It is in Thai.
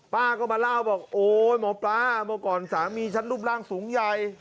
ป้าก็มาเล่าบอกโอ๊ยหมอปลาเมื่อก่อนสามีฉันรูปร่างสูงใหญ่